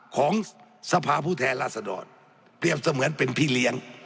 ของสภาผู้แทนราษฎรเปรียบเสมือนเป็นพี่เลี้ยง